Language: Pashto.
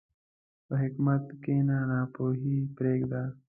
په حکمت کښېنه، ناپوهي پرېږده.